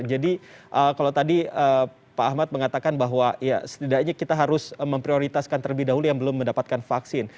jadi kalau tadi pak ahmad mengatakan bahwa setidaknya kita harus memprioritaskan terlebih dahulu yang belum mendapatkan vaksin